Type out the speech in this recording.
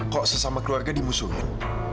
kok sesama keluarga dimusuhin